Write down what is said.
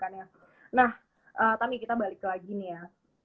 nah tapi kita balik lagi nih ya